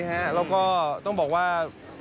แล้วก็ต้องบอกว่า